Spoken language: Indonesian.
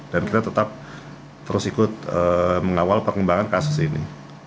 dan kita tetap terus ikut mengawal perkembangan kasus ini